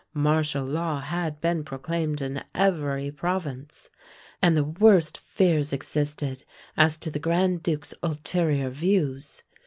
Martial law had been proclaimed in every province; and the worst fears existed as to the Grand Duke's ulterior views.